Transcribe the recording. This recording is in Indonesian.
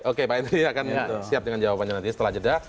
oke pak henry akan siap dengan jawabannya nanti setelah jeda